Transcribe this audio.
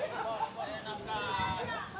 ini doang tadi